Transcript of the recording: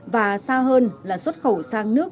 và xa hơn là xuất khẩu sang nước